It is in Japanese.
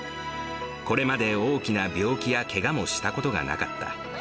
これまで大きな病気やけがもしたことがなかった。